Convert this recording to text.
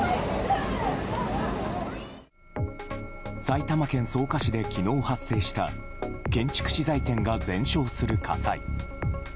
埼玉県草加市で昨日発生した建築資材店が全焼する火災。